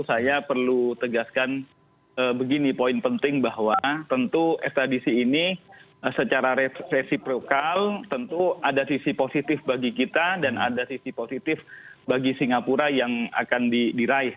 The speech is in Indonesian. saya perlu tegaskan begini poin penting bahwa tentu ekstradisi ini secara resiprokal tentu ada sisi positif bagi kita dan ada sisi positif bagi singapura yang akan diraih